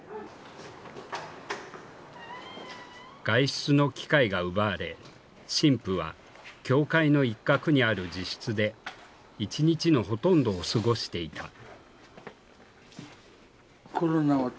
外出の機会が奪われ神父は教会の一角にある自室で一日のほとんどを過ごしていた。